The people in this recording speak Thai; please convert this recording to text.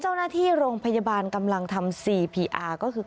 พาพนักงานสอบสวนสนราชบุรณะพาพนักงานสอบสวนสนราชบุรณะ